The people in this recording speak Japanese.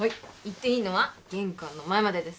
行っていいのは玄関の前までです。